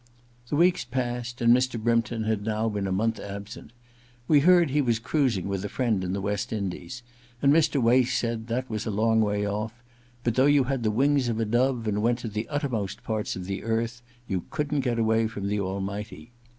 The weeks passed, and Mr. Brympton had now been a month absent. We heard he was cruising with a friend in the West Indies, and Mr. Wace s^d that was a long way off, but though you had the wings of a dove and went to the uttermost parts of the earth, you couldn't get away from the Almighty.